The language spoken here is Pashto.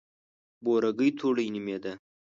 بورګۍ توړۍ نومېده.